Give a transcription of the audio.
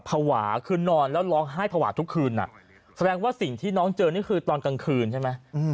ภาวะคือนอนแล้วร้องไห้ภาวะทุกคืนแสดงว่าสิ่งที่น้องเจอนี่คือตอนกลางคืนใช่ไหม